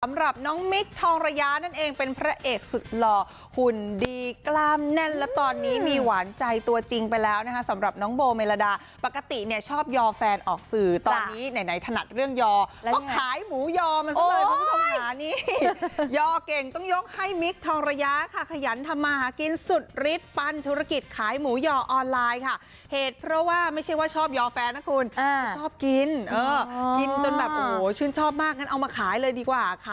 สำหรับน้องมิคทองระยะนั่นเองเป็นพระเอกสุดหล่อหุ่นดีกล้ามแน่นและตอนนี้มีหวานใจตัวจริงไปแล้วนะคะสำหรับน้องโบเมลดาปกติเนี่ยชอบยอแฟนออกสื่อตอนนี้ไหนถนัดเรื่องยอต้องขายหมูยอมันซะเลยคุณผู้ชมหานี่ยอเก่งต้องยกให้มิคทองระยะค่ะขยันทำมากินสุดฤทธิ์ปั้นธุรกิจขายหมูยอออนไลน์ค่